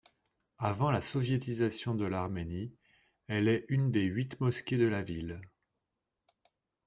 Avant la soviétisation de l'Arménie, elle est une des huit mosquées de la ville.